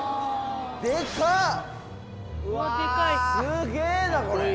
すげぇなこれ。